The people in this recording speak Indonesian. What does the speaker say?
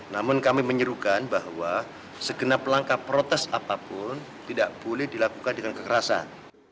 namun kami menyerukan bahwa segenap langkah protes apapun tidak boleh dilakukan dengan kekerasan